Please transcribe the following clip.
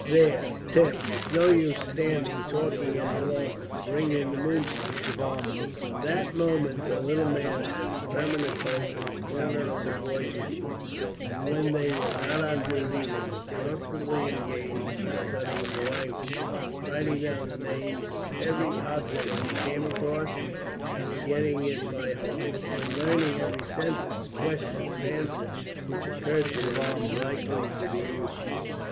"There, Tim, it's no use standing talking any longer. Bring in the moonshee." From that moment, the little man had his permanent post in a corner of the boys' room; and, when they were not on duty, they were constantly engaged in studying the language, writing down the names of every object they came across and getting it by heart, and learning every sentence, question, and answer which occurred to them as likely to be useful.